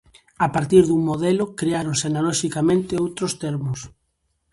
A partir dun modelo, creáronse analoxicamente outros termos.